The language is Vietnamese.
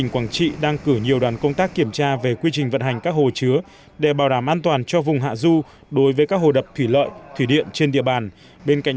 nên nguy cơ phải điều tiết hồ chứa xả lũ để an toàn đập là rất lớn